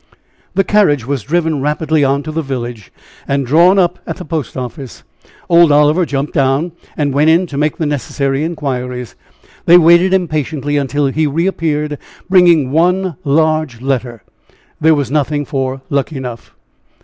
The carriage was driven rapidly on to the village, and drawn up at the post office. Old Oliver jumped down, and went in to make the necessary inquiries. They waited impatiently until he reappeared, bringing one large letter. There was nothing for Luckenough.